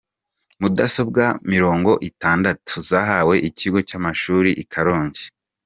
Mudasobwa mirongo itandatu zahawe ikigo cy’amashuri ikarongi